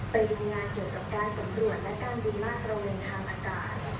ไปดูงานเกี่ยวกับการสำรวจและการดูมากรวมธรรมอากาศ